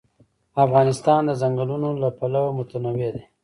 افغانستان د ځنګلونه له پلوه متنوع دی.